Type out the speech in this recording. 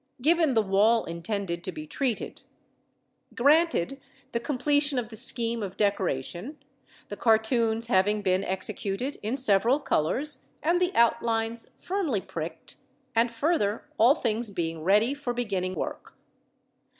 Given the wall intended to be treated: granted the completion of the scheme of decoration, the cartoons having been executed in several colours and the outlines firmly pricked, and further, all things being ready for beginning work.